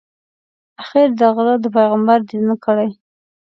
آخر دې غره د پیغمبر دیدن کړی.